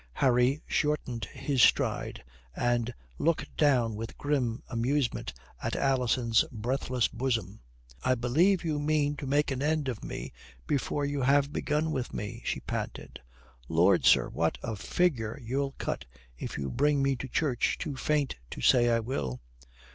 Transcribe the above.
Harry shortened his stride, and looked down with grim amusement at Alison's breathless bosom. "I believe you mean to make an end of me before you have begun with me," she panted. "Lord, sir, what a figure you'll cut if you bring me to church too faint to say, 'I will.'"